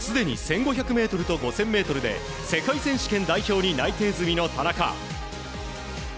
すでに１５００ｍと５０００ｍで世界選手権代表に内定済みの田中。